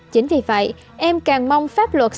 chính vì vậy em càng mong pháp luật